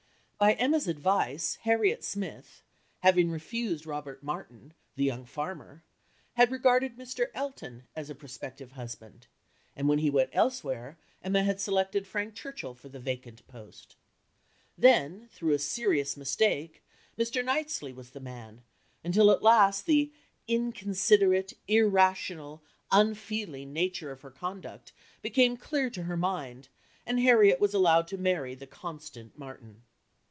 By Emma's advice Harriet Smith, having refused Robert Martin, the young farmer, had regarded Mr. Elton as a prospective husband, and when he went elsewhere Emma had selected Frank Churchill for the vacant post. Then, through a serious mistake, Mr. Knightley was the man, until at last the "inconsiderate, irrational, unfeeling" nature of her conduct became clear to her mind, and Harriet was allowed to marry the constant Martin.